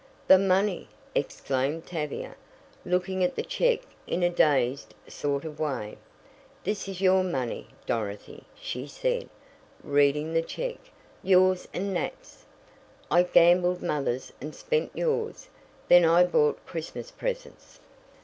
"The money!" exclaimed Tavia, looking at the check in a dazed sort of way, "This is your money, Dorothy," she said, reading the check "yours and Nat's. I gambled mother's, and spent yours, then I bought Christmas presents."